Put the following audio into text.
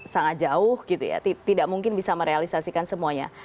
sangat jauh gitu ya tidak mungkin bisa merealisasikan semuanya